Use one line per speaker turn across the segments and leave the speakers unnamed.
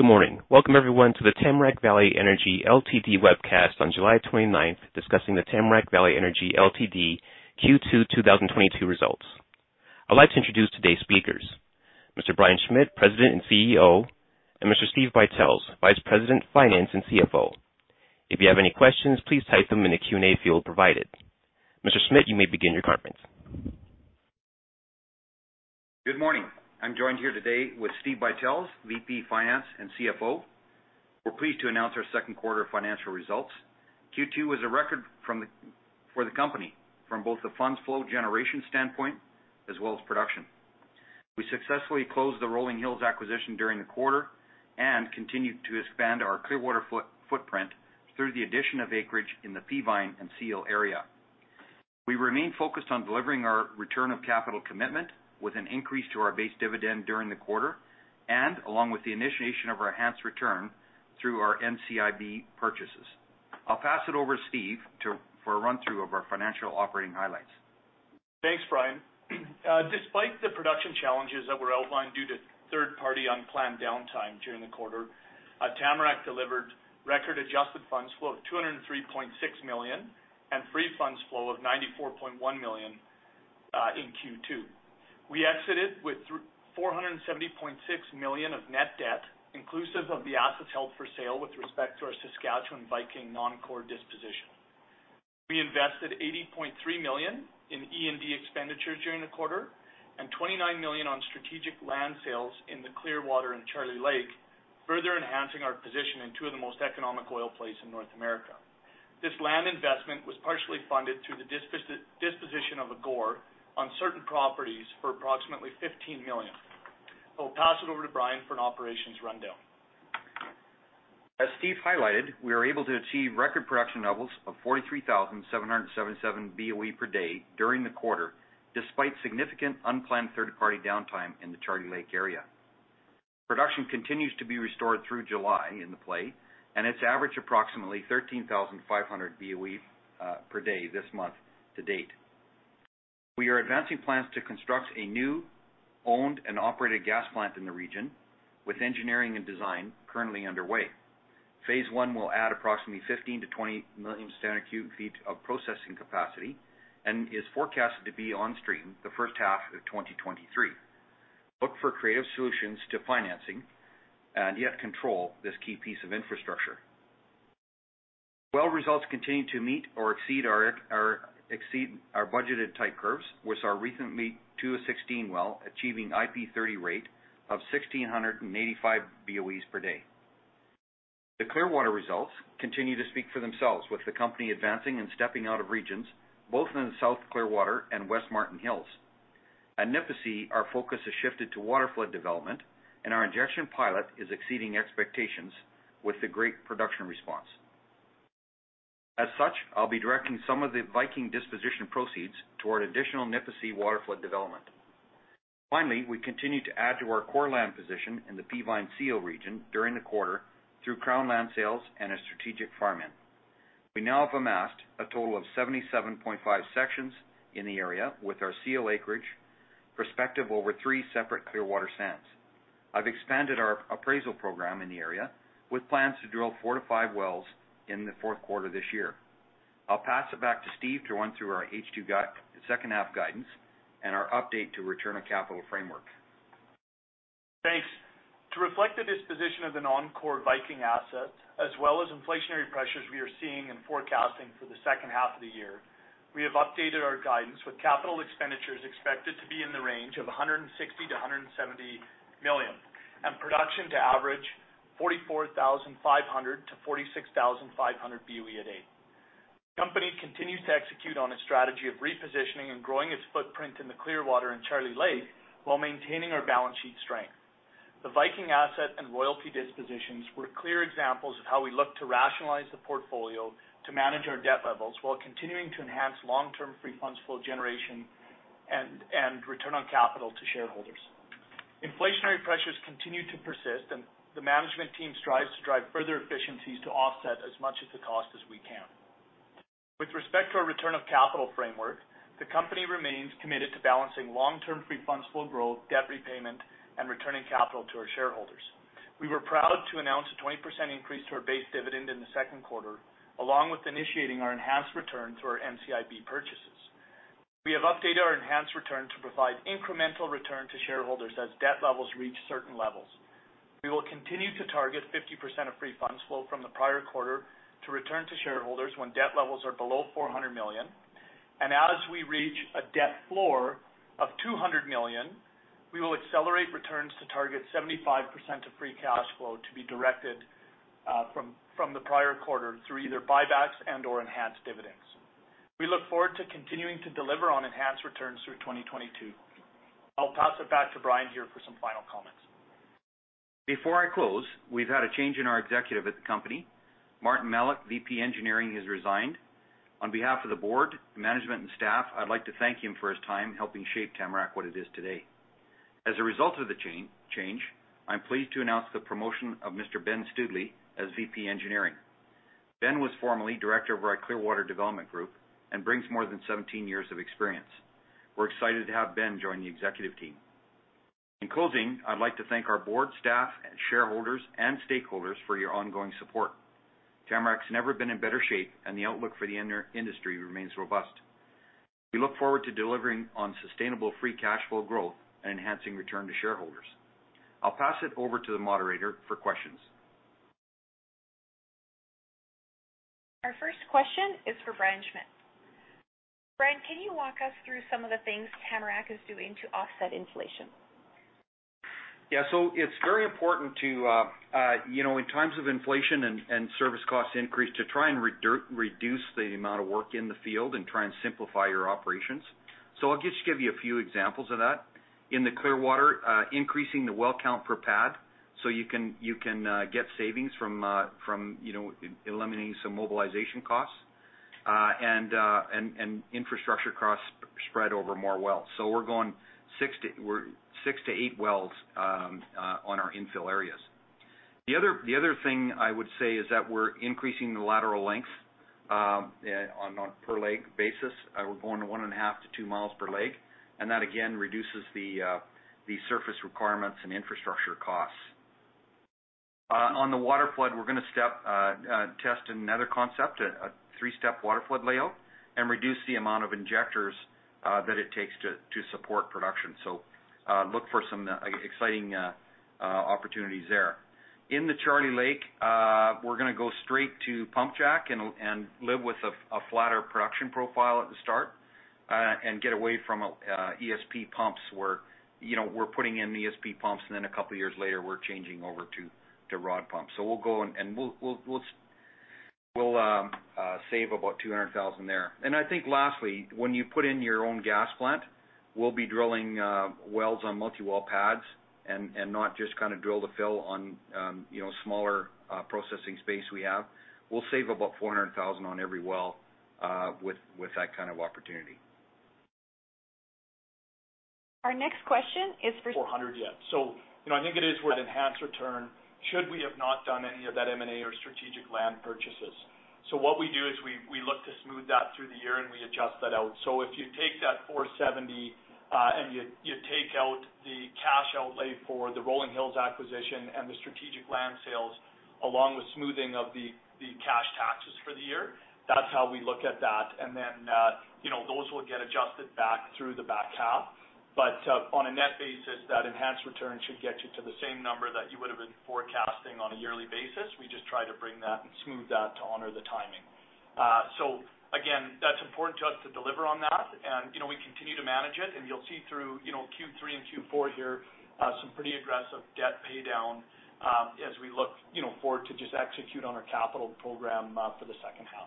Good morning. Welcome everyone to the Tamarack Valley Energy Ltd. webcast on July twenty-ninth, discussing the Tamarack Valley Energy Ltd. Q2 2022 results. I'd like to introduce today's speakers, Mr. Brian Schmidt, President and CEO, and Mr. Steve Buytels, Vice President Finance and CFO. If you have any questions, please type them in the Q&A field provided. Mr. Schmidt, you may begin your conference.
Good morning. I'm joined here today with Steve Buytels, VP Finance and CFO. We're pleased to announce our second quarter financial results. Q2 was a record for the company from both the funds flow generation standpoint as well as production. We successfully closed the Rolling Hills acquisition during the quarter and continued to expand our Clearwater footprint through the addition of acreage in the Peavine and Seal area. We remain focused on delivering our return of capital commitment with an increase to our base dividend during the quarter, and along with the initiation of our enhanced return through our NCIB purchases. I'll pass it over to Steve for a run-through of our financial operating highlights.
Thanks, Brian. Despite the production challenges that were outlined due to third-party unplanned downtime during the quarter, Tamarack delivered record adjusted funds flow of 203.6 million and free funds flow of 94.1 million in Q2. We exited with 470.6 million of net debt, inclusive of the assets held for sale with respect to our Saskatchewan Viking non-core disposition. We invested 80.3 million in E&D expenditures during the quarter and 29 million on strategic land sales in the Clearwater and Charlie Lake, further enhancing our position in two of the most economic oil plays in North America. This land investment was partially funded through the disposition of Agor on certain properties for approximately 15 million. I'll pass it over to Brian for an operations rundown.
As Steve highlighted, we were able to achieve record production levels of 43,777 BOE per day during the quarter, despite significant unplanned third-party downtime in the Charlie Lake area. Production continues to be restored through July in the play, and it's averaged approximately 13,500 BOE per day this month to date. We are advancing plans to construct a new owned and operated gas plant in the region, with engineering and design currently underway. Phase one will add approximately 15 million-20 million standard cubic feet of processing capacity and is forecasted to be on stream the first half of 2023. Look for creative solutions to financing and yet control this key piece of infrastructure. Well results continue to meet or exceed our budgeted type curves, with our recently two to 16 well achieving IP 30 rate of 1,685 boe per day. The Clearwater results continue to speak for themselves with the company advancing and stepping out of regions both in the South Clearwater and West Marten Hills. At Nipisi, our focus has shifted to waterflood development, and our injection pilot is exceeding expectations with a great production response. As such, I'll be directing some of the Viking disposition proceeds toward additional Nipisi waterflood development. Finally, we continue to add to our core land position in the Peavine-Seal region during the quarter through Crown land sales and a strategic farm-in. We now have amassed a total of 77.5 sections in the area with our Seal acreage, prospective over three separate Clearwater sands. I've expanded our appraisal program in the area, with plans to drill four to five wells in the fourth quarter this year. I'll pass it back to Steve to run through our second half guidance and our update to return on capital framework.
Thanks. To reflect the disposition of the non-core Viking asset as well as inflationary pressures we are seeing in forecasting for the second half of the year, we have updated our guidance, with capital expenditures expected to be in the range of 160 million-170 million, and production to average 44,500-46,500 BOE a day. The company continues to execute on its strategy of repositioning and growing its footprint in the Clearwater and Charlie Lake while maintaining our balance sheet strength. The Viking asset and royalty dispositions were clear examples of how we look to rationalize the portfolio to manage our debt levels while continuing to enhance long-term free funds flow generation and return on capital to shareholders. Inflationary pressures continue to persist, and the management team strives to drive further efficiencies to offset as much of the cost as we can. With respect to our return of capital framework, the company remains committed to balancing long-term free funds flow growth, debt repayment, and returning capital to our shareholders. We were proud to announce a 20% increase to our base dividend in the second quarter, along with initiating our enhanced return through our NCIB purchases. We have updated our enhanced return to provide incremental return to shareholders as debt levels reach certain levels. We will continue to target 50% of free funds flow from the prior quarter to return to shareholders when debt levels are below 400 million. As we reach a debt floor of 200 million, we will accelerate returns to target 75% of free cash flow to be directed from the prior quarter through either buybacks and/or enhanced dividends. We look forward to continuing to deliver on enhanced returns through 2022. I'll pass it back to Brian here for some final comments.
Before I close, we've had a change in our executive at the company. Martin Melak, VP Engineering, has resigned. On behalf of the board, management, and staff, I'd like to thank him for his time helping shape Tamarack what it is today. As a result of the change, I'm pleased to announce the promotion of Mr. Ben Stoodley as VP Engineering. Ben was formerly director of our Clearwater Development Group and brings more than 17 years of experience. We're excited to have Ben join the executive team. In closing, I'd like to thank our board, staff, and shareholders and stakeholders for your ongoing support. Tamarack's never been in better shape, and the outlook for the entire industry remains robust. We look forward to delivering on sustainable free cash flow growth and enhancing return to shareholders. I'll pass it over to the moderator for questions.
Our first question is for Brian Schmidt. Brian, can you walk us through some of the things Tamarack is doing to offset inflation?
Yeah. It's very important to, you know, in times of inflation and service cost increase to try and reduce the amount of work in the field and try and simplify your operations. I'll just give you a few examples of that. In the Clearwater, increasing the well count per pad, so you can get savings from, you know, eliminating some mobilization costs and infrastructure costs spread over more wells. We're six to eight wells on our infill areas. The other thing I would say is that we're increasing the lateral length on a per lake basis. We're going to 1.5-2 miles per lake, and that again reduces the surface requirements and infrastructure costs. On the waterflood, we're gonna test another concept, a three-step waterflood layout, and reduce the amount of injectors that it takes to support production. Look for some exciting opportunities there. In the Charlie Lake, we're gonna go straight to pump jack and live with a flatter production profile at the start, and get away from ESP pumps where, you know, we're putting in ESP pumps, and then a couple of years later, we're changing over to rod pumps. We'll go and we'll save about 200 thousand there. I think lastly, when you put in your own gas plant, we'll be drilling wells on multi-well pads and not just kinda drill to fill on, you know, smaller processing space we have. We'll save about 400 thousand on every well, with that kind of opportunity.
Our next question is for.
400, yeah. You know, I think it is where the enhanced return should we have not done any of that M&A or strategic land purchases. What we do is we look to smooth that through the year, and we adjust that out. If you take that 470, and you take out the cash outlay for the Rolling Hills acquisition and the strategic land sales, along with smoothing of the cash taxes for the year, that's how we look at that. You know, those will get adjusted back through the back half. On a net basis, that enhanced return should get you to the same number that you would've been forecasting on a yearly basis. We just try to bring that and smooth that to honor the timing. Again, that's important to us to deliver on that. You know, we continue to manage it, and you'll see through, you know, Q3 and Q4 here, some pretty aggressive debt paydown, as we look, you know, forward to just execute on our capital program, for the second half.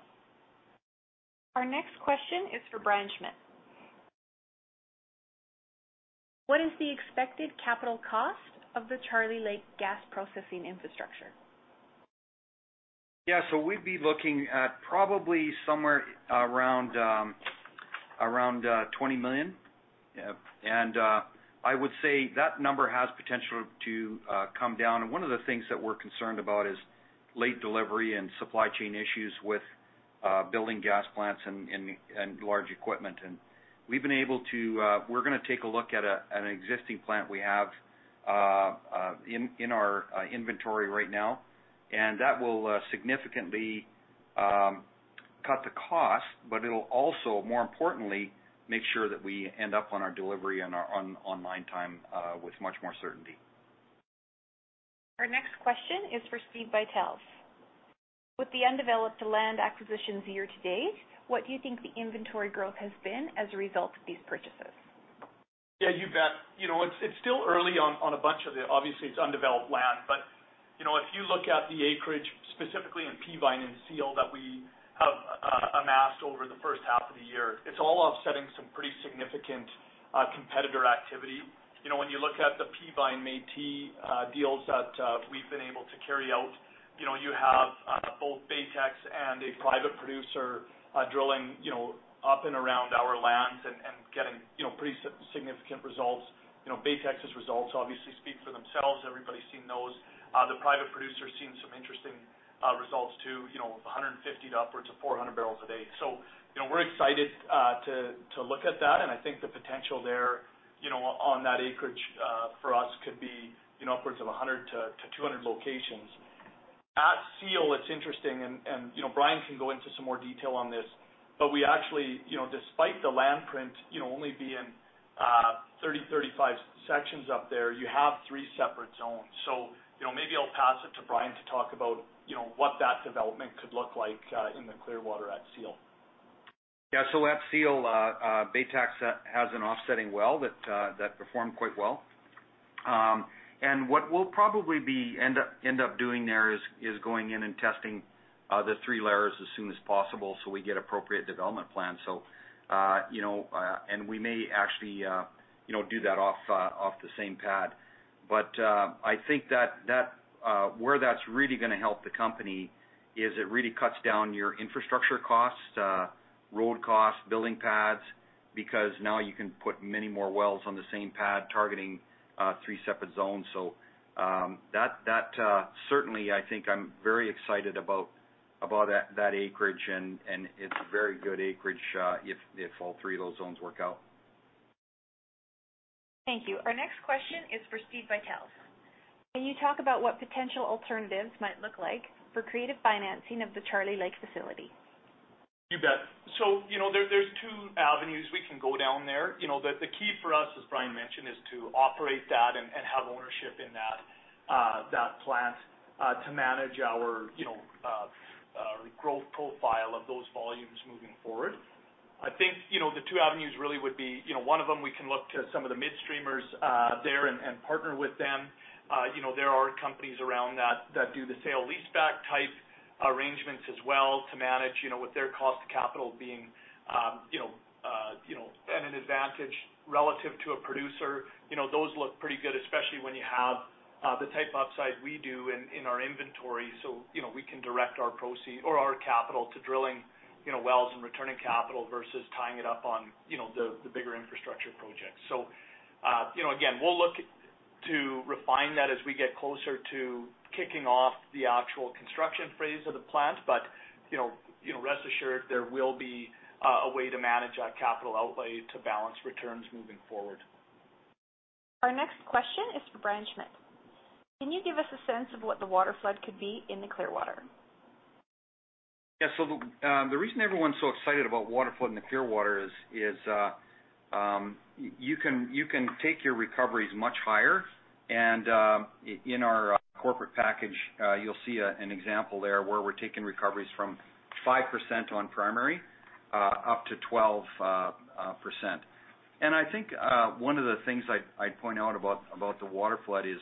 Our next question is for Brian Schmidt. What is the expected capital cost of the Charlie Lake gas processing infrastructure?
Yeah. We'd be looking at probably somewhere around 20 million. Yeah. I would say that number has potential to come down. One of the things that we're concerned about is late delivery and supply chain issues with building gas plants and large equipment. We're gonna take a look at an existing plant we have in our inventory right now, and that will significantly cut the cost, but it'll also, more importantly, make sure that we end up on our delivery and our online time with much more certainty.
Our next question is for Steve Buytels. With the undeveloped land acquisitions year to date, what do you think the inventory growth has been as a result of these purchases?
Yeah, you bet. You know, it's still early on a bunch of the obviously, it's undeveloped land. You know, if you look at the acreage, specifically in Peavine and Seal, that we have amassed over the first half of the year, it's all offsetting some pretty significant competitor activity. You know, when you look at the Peavine and Marten deals that we've been able to carry out, you know, you have both Baytex and a private producer drilling, you know, up and around our lands and getting, you know, pretty significant results. You know, Baytex's results obviously speak for themselves. Everybody's seen those. The private producer's seen some interesting results too, you know, 150 to upwards of 400 barrels a day. You know, we're excited to look at that, and I think the potential there, you know, on that acreage, for us could be, you know, upwards of 100-200 locations. At Seal, it's interesting and, you know, Brian can go into some more detail on this. We actually you know, despite the land print, you know, only being 35 sections up there, you have three separate zones. Maybe I'll pass it to Brian to talk about, you know, what that development could look like in the Clearwater at Seal. Yeah. At Seal, Baytex has an offsetting well that performed quite well.
What we'll probably end up doing there is going in and testing the three layers as soon as possible so we get appropriate development plans. You know, we may actually, you know, do that off the same pad. I think that where that's really gonna help the company is it really cuts down your infrastructure costs, road costs, building pads. Because now you can put many more wells on the same pad targeting three separate zones. That certainly, I think I'm very excited about that acreage and it's very good acreage, if all three of those zones work out.
Thank you. Our next question is for Steve Buytels. Can you talk about what potential alternatives might look like for creative financing of the Charlie Lake facility?
You bet. You know, there's two avenues we can go down there. You know, the key for us, as Brian mentioned, is to operate that and have ownership in that plant to manage our, you know, growth profile of those volumes moving forward. I think, you know, the two avenues really would be, you know, one of them, we can look to some of the midstreamers there and partner with them. You know, there are companies around that do the sale leaseback type arrangements as well to manage, you know, with their cost of capital being, you know, at an advantage relative to a producer. You know, those look pretty good, especially when you have the type of upside we do in our inventory. You know, we can direct our capital to drilling, you know, wells and returning capital versus tying it up on, you know, the bigger infrastructure projects. You know, again, we'll look to refine that as we get closer to kicking off the actual construction phase of the plant. You know, rest assured there will be a way to manage our capital outlay to balance returns moving forward.
Our next question is for Brian Schmidt. Can you give us a sense of what the waterflood could be in the Clearwater?
Yeah. The reason everyone's so excited about waterflood in the Clearwater is you can take your recoveries much higher. In our corporate package, you'll see an example there where we're taking recoveries from 5% on primary up to 12%. I think one of the things I'd point out about the waterflood is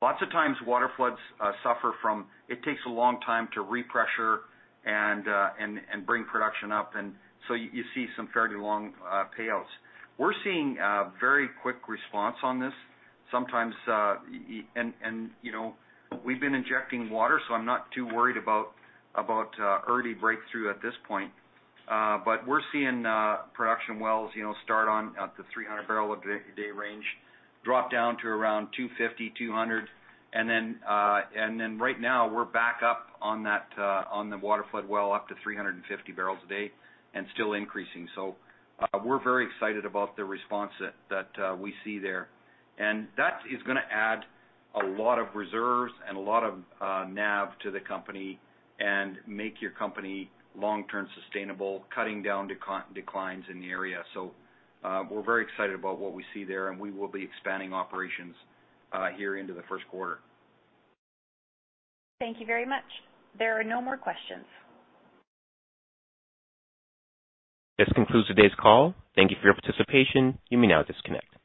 lots of times waterfloods suffer from it takes a long time to repressure and bring production up. You see some fairly long payouts. We're seeing a very quick response on this sometimes and you know we've been injecting water, so I'm not too worried about early breakthrough at this point. We're seeing production wells, you know, start on at the 300 barrel a day range, drop down to around 250, 200. Right now we're back up on that, on the waterflood well up to 350 barrels a day and still increasing. We're very excited about the response that we see there. That is gonna add a lot of reserves and a lot of NAV to the company and make your company long-term sustainable, cutting down declines in the area. We're very excited about what we see there, and we will be expanding operations here into the first quarter.
Thank you very much. There are no more questions.
This concludes today's call. Thank you for your participation. You may now disconnect.